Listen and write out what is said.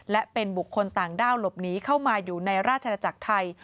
และเป็นบุคคลต่างด้าวหลบหนีเข้ามาอยู่ในราชนาจักรไทย